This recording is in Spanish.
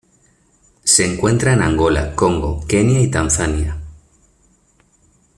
Se encuentra en Angola, Congo, Kenia y Tanzania.